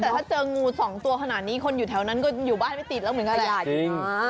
แต่ถ้าเจองูสองตัวขนาดนี้คนอยู่แถวนั้นก็อยู่บ้านไม่ติดแล้วเหมือนกันแหละ